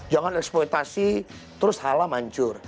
jangan eksploitasi terus halamancur